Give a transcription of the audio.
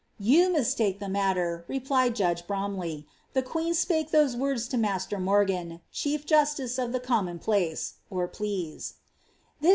••You mistake the matter," replied judge Bromley, *• the queen spake those words to master Morgan, chief justice of the common place (|)leas\" This e.